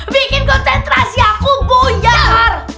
bikin koncentrasi aku boyar